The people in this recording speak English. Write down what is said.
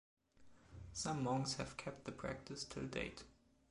Some monks have kept the practice till date.